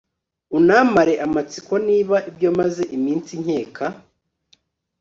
unamare amatsiko niba ibyo maze iminsi nkeka